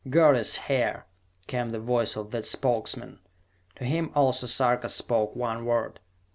"Gerd is here!" came the voice of that Spokesman. To him also Sarka spoke one word.